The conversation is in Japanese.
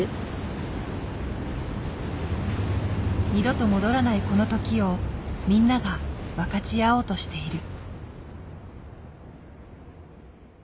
二度と戻らないこの時をみんなが分かち合おうとしている。